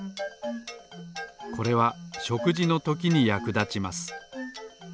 これはしょくじのときにやくだちます。